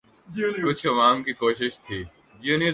کچھ عوام کی کوشش تھی۔